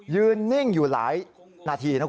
ยืนนิ่งอยู่หลายนาทีนะครับ